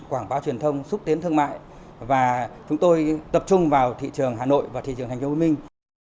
quảng báo truyền thông xúc tiến thương mại và chúng tôi tập trung vào thị trường hà nội và thị trường thành phố hồ chí minh